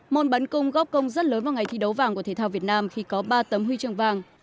môn bắn cung góp công rất lớn vào ngày thi đấu vàng của thể thao việt nam khi có ba tấm huy chương vàng